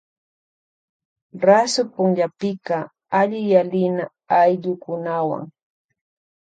Rasu punllapika alliyalina ayllukunawan.